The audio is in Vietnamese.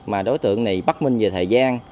mà đối tượng này bắt minh về thời gian